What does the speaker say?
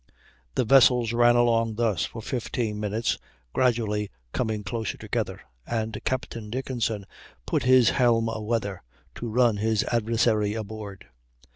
The vessels ran along thus for 15 minutes, gradually coming closer together, and Captain Dickenson put his helm aweather, to run his adversary aboard.